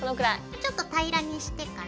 ちょっと平らにしてから。